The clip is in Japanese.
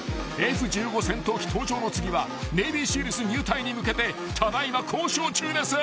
Ｆ−１５戦闘機搭乗の次はネイビーシールズ入隊に向けてただ今交渉中です］